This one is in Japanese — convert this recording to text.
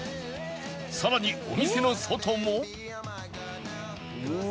さらにお店の外も